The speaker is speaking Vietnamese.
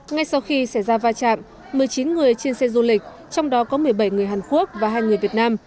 ngay sau khi xảy ra va chạm một mươi chín người trên xe du lịch trong đó có một mươi bảy người hàn quốc và hai người việt nam